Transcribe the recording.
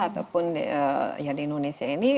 ataupun di indonesia ini